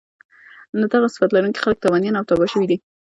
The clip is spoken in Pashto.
نو دغه صفت لرونکی خلک تاوانيان او تباه شوي دي